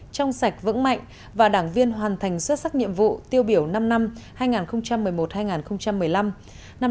trong sạch vững mạnh và đảng viên hoàn thành xuất sắc nhiệm vụ tiêu biểu năm năm hai nghìn một mươi một hai nghìn một mươi năm